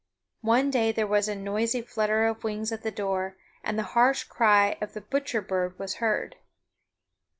One day there was a noisy flutter of wings at the door, and the harsh cry of the butcher bird was heard.